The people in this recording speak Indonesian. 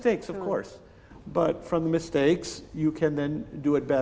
tapi dari kesalahan anda bisa melakukannya dengan lebih baik